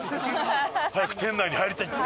早く店内に入りたいって！